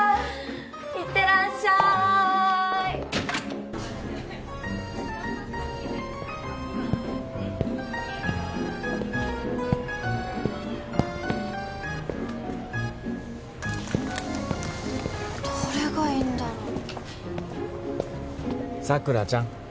行ってらっしゃいどれがいいんだろ佐倉ちゃん